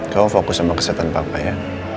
kau fokus sama kesetan papa ya